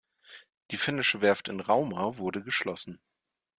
Die finnische Werft in Rauma wurde geschlossen.